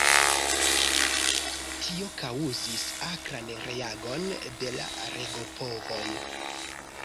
Tio kaŭzis akran reagon de la regopovoj.